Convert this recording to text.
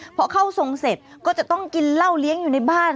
พอเข้าทรงเสร็จก็จะต้องกินเหล้าเลี้ยงอยู่ในบ้าน